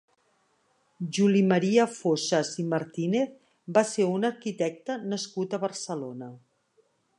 Juli Maria Fossas i Martínez va ser un arquitecte nascut a Barcelona.